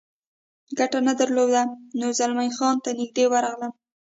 ګټه نه درلوده، نو زلمی خان ته نږدې ورغلم.